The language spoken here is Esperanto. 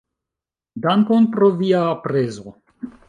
Dankon pro via aprezo.